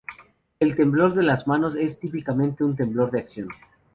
El temblor de las manos es típicamente un temblor de acción.